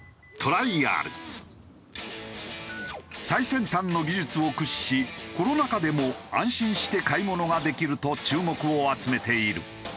最先端の技術を駆使しコロナ禍でも安心して買い物ができると注目を集めている。